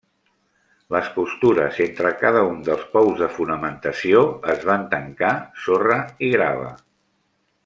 Les costures entre cada un dels pous de fonamentació es van tancar sorra i grava.